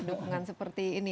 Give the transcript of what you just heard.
dukungan seperti ini